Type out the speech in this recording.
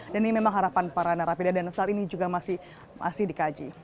dan ini memang harapan para narapidat dan saat ini juga masih dikaji